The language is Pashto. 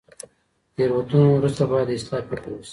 د تیروتنو وروسته باید د اصلاح فکر وشي.